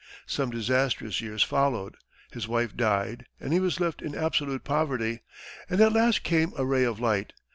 Some disastrous years followed, his wife died, and he was left in absolute poverty, but at last came a ray of light.